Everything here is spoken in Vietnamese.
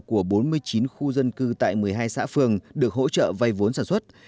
của bốn mươi chín khu dân cư tại một mươi hai xã phường được hỗ trợ vay vốn sản xuất